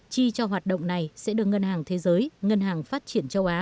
chi cho hoạt động này sẽ được ngân hàng thế giới ngân hàng phát triển châu á